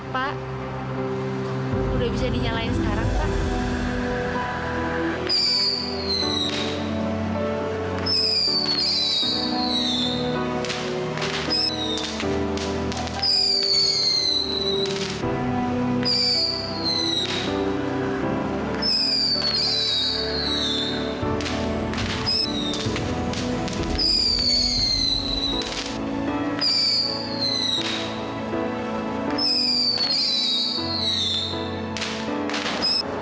pak udah bisa dinyalain sekarang pak